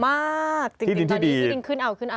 มากจริงตอนนี้ที่ดินขึ้นเอาขึ้นเอา